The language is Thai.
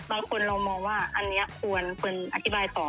บางคนเรามองว่าอันนี้ควรอธิบายต่อ